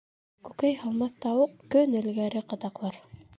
Күкәй һалмаҫ тауыҡ көн элгәре ҡытаҡлар.